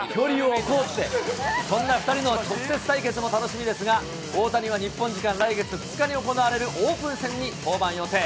そんな２人の直接対決も楽しみですが、大谷は日本時間来月２日に行われるオープン戦に登板予定。